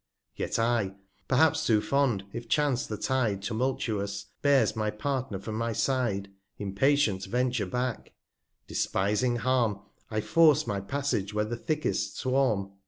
90 Yet I (perhaps too fond) if chance the Tide Tumultuous, bears my Partner from my Side, Impatient venture back ; despising Harm, I force my Passage where the thickest swarm.